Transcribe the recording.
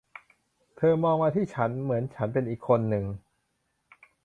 เธอมองมาที่ฉันเหมือนฉันเป็นอีกคนนึง